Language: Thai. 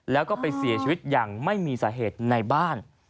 แล้วก็ไปเสียชีวิตอย่างไม่มีสาเหตุในบ้าน